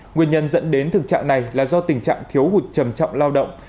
nguyên nhân dẫn đến thực trạng này là do tình trạng thiếu hụt trầm trọng lao động